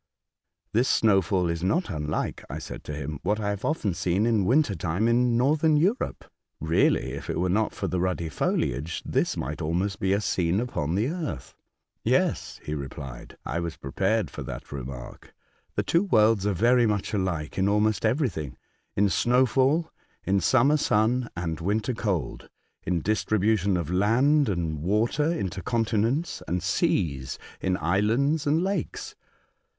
" This snowfall is not unlike," I said to him, '* what I have often seen in earth winter in northern Europe. Really, if it were not for the ruddy foliage, this might almost be a scene upon the earth." '' Yes," he replied, '* I was prepared for that remark. The two worlds are very much alike in almost everything — in snowfall, in summer sun and winter cold, in distribution of land and water into continents and seas, in islands and lakes.